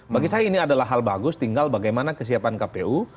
bagi saya ini adalah hal bagus tinggal bagaimana kesiapan kpu